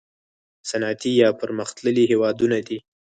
صنعتي یا پرمختللي هیوادونه دي.